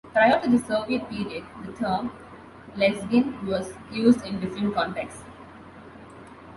Prior to the Soviet period, the term "Lezgin" was used in different contexts.